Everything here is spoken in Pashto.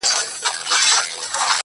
زه هم د هغوی اولاد يم~